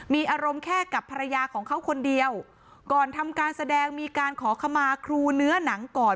มีอารมณ์แค่กับภรรยาของเขาคนเดียวก่อนทำการแสดงมีการขอขมาครูเนื้อหนังก่อน